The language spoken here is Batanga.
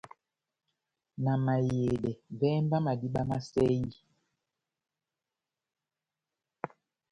Na mahiyedɛ, vɛ́hɛ mba madíma má sɛyi !